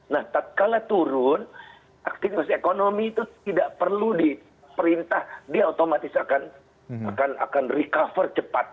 nah kalau turun aktivis ekonomi itu tidak perlu diperintah dia otomatis akan recover cepat